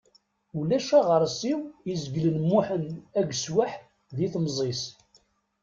Ulac aɣersiw izeglen Muḥend ageswaḥ di temẓi-s.